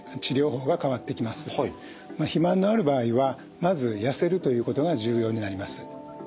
肥満のある場合はまず痩せるということが重要になります。